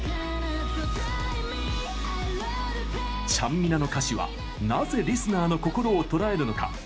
ちゃんみなの歌詞はなぜリスナーの心をとらえるのか。